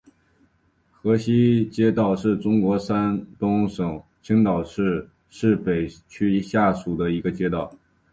河西街道是中国山东省青岛市市北区下辖的一个街道。